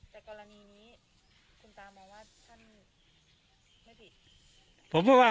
แต่กรณีนี้คุณตามองว่าท่านไม่ผิด